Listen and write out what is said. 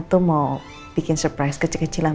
tuh mau bikin surprise kecil kecilan